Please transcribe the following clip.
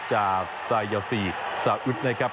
จากซายาซีซาอุดนะครับ